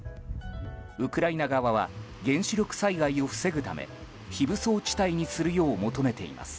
ウクライナ側は原子力災害を防ぐため非武装地帯にするよう求めています。